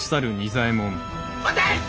待て！